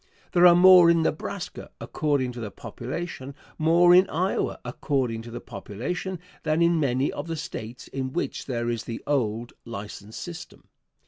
There are more in Nebraska, according to the population, more in Iowa, according to the population, than in many of the States in which there is the old license system.